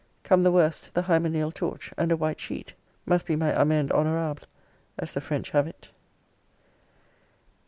Come the worst, the hymeneal torch, and a white sheet, must be my amende honorable, as the French have it.